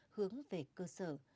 hướng về cơ sở